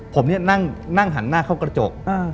ผมนี่นั่งหันหน้าเข้ากระจก